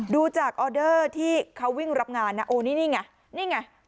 ดูจากออเดอร์ที่เขาวิ่งรับงานนะโอ้นี่นี่ไงนี่ไง